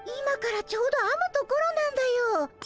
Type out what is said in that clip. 今からちょうどあむところなんだよ。